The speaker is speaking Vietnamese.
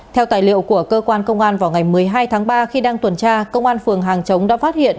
theo tài liệu của cơ quan công an vào ngày một mươi hai tháng ba khi đang tuần tra công an phường hàng chống đã phát hiện